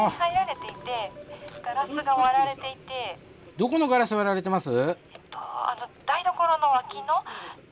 どこのガラス割られてます？